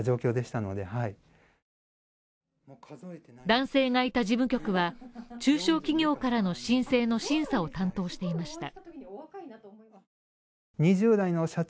男性がいた事務局は、中小企業からの申請の審査を担当していました。